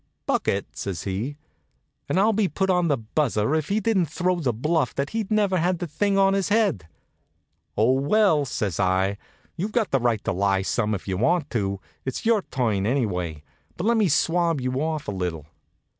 "Bucket?" says he. And I'll be put on the buzzer if he didn't throw the bluff that he'd never had the thing on his head. "Oh, well," says I, "you've got a right to lie some if you want to. It's your turn, anyway. But let me swab you off a little."